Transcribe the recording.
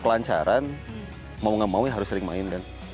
kalau pencaran mau nggak mau ya harus sering main